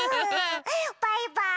バイバーイ！